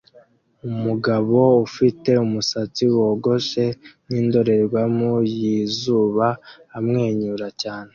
Umugabo ufite umusatsi wogoshe nindorerwamo yizuba amwenyura cyane